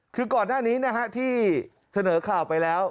คือก่อนหน้านี้ที่เสนอข่าวไปแล้ว